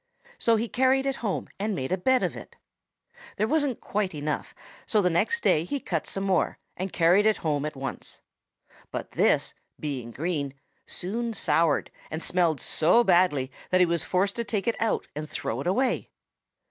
So he carried it home and made a bed of it. There wasn't quite enough, so the next day he cut some more and carried it home at once. But this, being green, soon soured and smelled so badly that he was forced to take it out and throw it away.